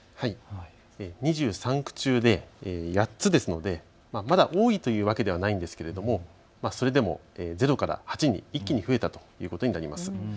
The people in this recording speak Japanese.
２３区中で８つですので、まだ多いというわけではないんですけれどもそれでも０から８に一気に増えたということになります。